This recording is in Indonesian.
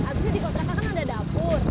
abisnya di kontraknya kan ada dapur